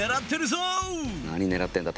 何ねらってんだ？